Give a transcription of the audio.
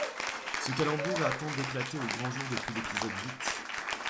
Ce calembour attend d'éclater au grand jour depuis l’épisode huit.